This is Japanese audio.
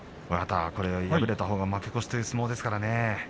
敗れたほうが負け越しという相撲ですからね。